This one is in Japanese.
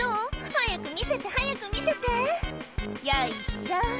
早く見せて早く見せて」「よいしょ」